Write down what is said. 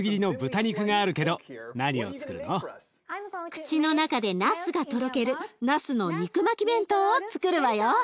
口の中でなすがとろけるなすの肉巻き弁当をつくるわよ。